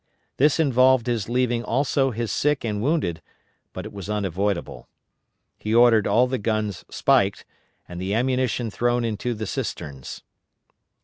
This involved his leaving also his sick and wounded, but it was unavoidable. He ordered all the guns spiked, and the ammunition thrown into the cisterns.